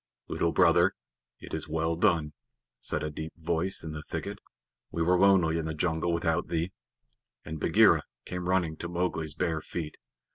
"Little Brother, it is well done," said a deep voice in the thicket. "We were lonely in the jungle without thee," and Bagheera came running to Mowgli's bare feet.